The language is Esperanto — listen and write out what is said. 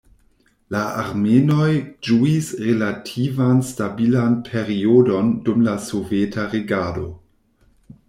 La armenoj ĝuis relativan stabilan periodon dum la soveta regado.